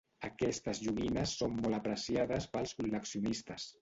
Aquestes joguines són molt apreciades pels col·leccionistes.